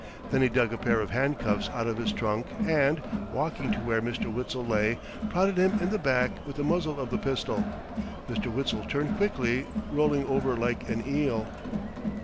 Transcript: Then he dug a pair of handcuffs out of his trunk and, walking to where Mr. Witzel lay, prodded him in the back with the muzzle of the pistol. Mr. Witzel turned quickly, rolling over like an eel.